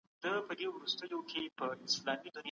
د سرمايې کم حاصل د اقتصادي پوهانو لخوا په دقت سره څيړل کيږي.